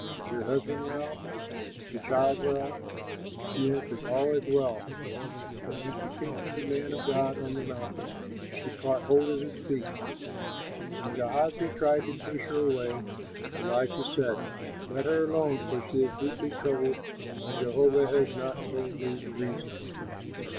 Is your husband well? Is the child well?'" And she answered, "All is well." But when she came to the man of God on the mountain, she caught hold of his feet. When Gehazi tried to push her away, Elisha said, "Let her alone, for she is deeply troubled and Jehovah has not told me the reason."